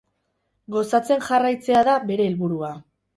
Gozatzen jarraitzea da bere helburua.